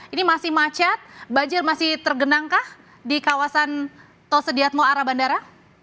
ini masih macet banjir masih tergenangkah di kawasan tol sediatmo arah bandara